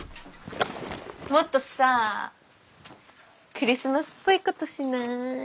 もっとさあクリスマスっぽいことしない？